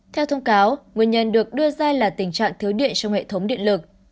theo thông cáo nguyên nhân được đưa ra là tình trạng thiếu điện trong hệ thống điện lực